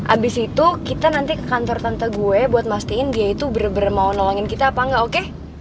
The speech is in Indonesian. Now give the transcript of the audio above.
abis itu kita nanti ke kantor tante gue buat mastiin dia itu benar benar mau nolongin kita apa enggak oke